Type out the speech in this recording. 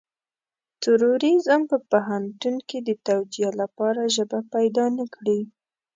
تروريزم په پوهنتون کې د توجيه لپاره ژبه پيدا نه کړي.